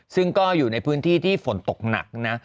ซึ่งก็อยู่ในพื้นที่ที่ฝนตกหนักนะ